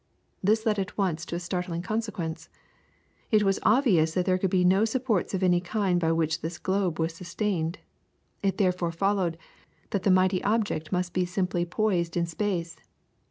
This led at once to a startling consequence. It was obvious that there could be no supports of any kind by which this globe was sustained; it therefore followed that the mighty object must be simply poised in space.